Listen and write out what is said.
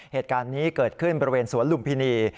เหตุการณ์นี้เกิดขึ้นบริเวณสวนลุมพินี